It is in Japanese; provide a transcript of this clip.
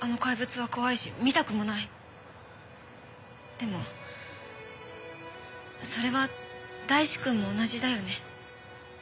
でもそれは大志くんも同じだよね。